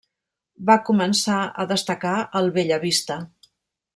Va començar a destacar al Bellavista.